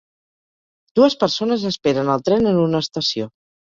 Dues persones esperen el tren en una estació.